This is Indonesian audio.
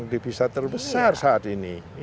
di bisa terbesar saat ini